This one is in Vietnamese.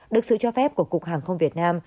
được sự cho phép của cục hàng không việt nam